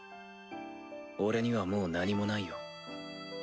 俺にはもう何もないよ。